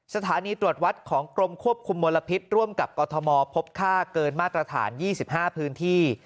สถานีตรวจวัดของกรมควบคุมมลพิษร่วมกับกรทมพบค่าเกินมาตรฐาน๒๕พื้นที่